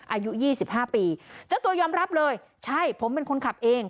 อายุยี่สิบห้าปีจะตัวยอำรับเลยใช่ผมเป็นคนขับเอง